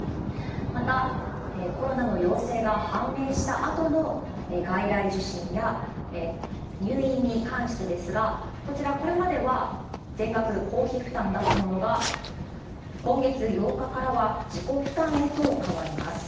また、コロナの陽性が判明したあとの外来受診や入院に関してですが、こちら、これまでは全額公費負担だったものが、今月８日からは自己負担へと変わります。